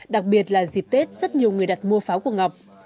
đặc biệt là dịp tết rất nhiều người đặt mua pháo của ngọc